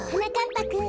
ぱくん。